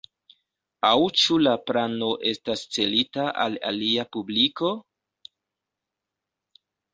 Aŭ ĉu la plano estas celita al alia publiko?